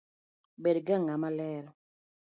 Bed ga ng’ama ler